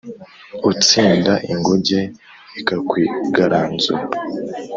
utsinda ingunge, ikakwigaranzura